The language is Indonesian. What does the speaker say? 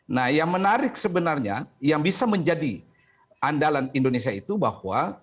nah yang menarik sebenarnya yang bisa menjadi andalan indonesia itu bahwa